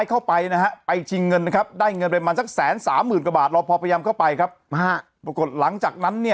ยังไงยังไงยังไงยังไงยังไงยังไงยังไงยังไงยังไงยังไงยังไง